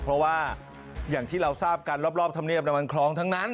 เพราะว่าอย่างที่เราทราบกันรอบธรรมเนียบมันคลองทั้งนั้น